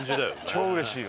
超うれしいよ。